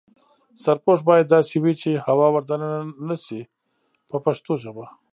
سرپوښ باید داسې وي چې هوا ور دننه نشي په پښتو ژبه.